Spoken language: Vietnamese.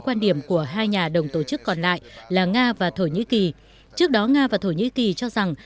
quan điểm của hai nhà đồng tổ chức còn lại là nga và thổ nhĩ kỳ trước đó nga và thổ nhĩ kỳ cho rằng